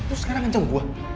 lu sekarang ngancam gue